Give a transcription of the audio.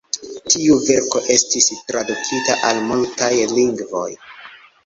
Tiu verko estis tradukita al multaj lingvoj.